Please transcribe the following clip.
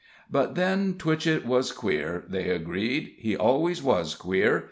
But, then, Twitchett was queer, they agreed he always was queer.